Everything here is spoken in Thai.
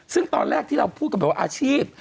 ซึ่งตอนแรกที่เราพูดกันแบบว่าอาชีพ